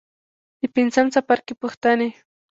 د پنځم څپرکي پوښتنې.